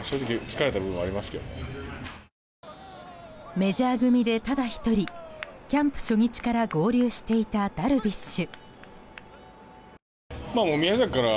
メジャー組で、ただ１人キャンプ初日から合流していたダルビッシュ。